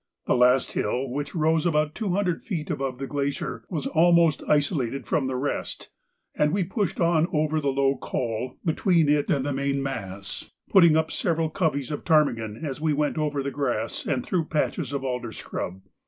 The last hill, which rose about two hundred feet above the glacier, was almost isolated from the rest, and we pushed on over the low col between it and the main mass, putting up several coveys of ptarmigan as we went over the grass and through patches of alder scrub.